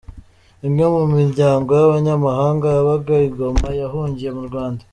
Imwe mu miryango y’abanyamahanga yabaga i Goma yahungiye mu Rwanda.